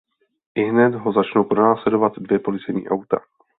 Ihned ho začnou pronásledovat dvě policejní auta.